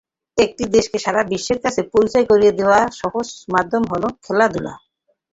একটি দেশকে সারা বিশ্বের কাছে পরিচয় করিয়ে দেওয়ার সহজ মাধ্যম হলো খেলাধুলা।